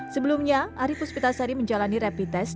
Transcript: sebelumnya ari puspitasari menjalani rapid test